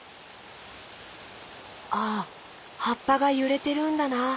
ああはっぱがゆれてるんだな。